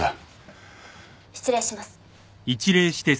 失礼します。